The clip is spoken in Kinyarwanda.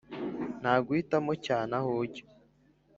nta guhitamo cyane aho ujya.